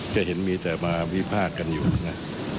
ก็เห็นว่ามีแต่มีภาคกันอยู่นะ